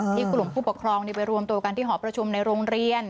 กลุ่มผู้ปกครองไปรวมตัวกันที่หอประชุมในโรงเรียน